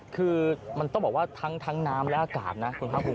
คือมันต้องบอกว่าทั้งน้ำและอากาศนะคุณภาคภูมิ